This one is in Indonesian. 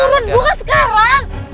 turun bukan sekarang